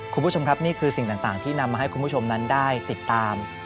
คุณผู้ชมครับนี่คือสิ่งต่างที่นำมาให้คุณผู้ชมนั้นได้ติดตาม